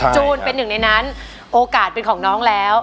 จูนเป็นหนึ่งในนั้นโอกาสเป็นของน้องแล้ว